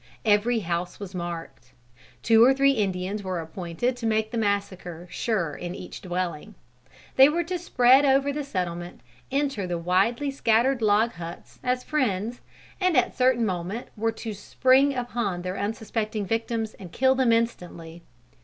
Every house was marked. Two or three Indians were appointed to make the massacre sure in each dwelling. They were to spread over the settlement, enter the widely scattered log huts, as friends, and at a certain moment were to spring upon their unsuspecting victims, and kill them instantly.